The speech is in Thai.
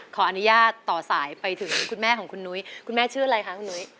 ขออนุญาตต่อสายไปถึงคุณแม่ของคุณนุ้ยคุณแม่ชื่ออะไรคะคุณนุ้ย